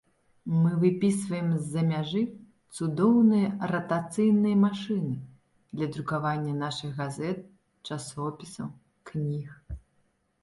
Мы выпісваем з-за мяжы цудоўныя ратацыйныя машыны для друкавання нашых газет, часопісаў, кніг.